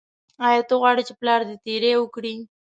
ایا ته غواړې چې پلار دې تیری وکړي.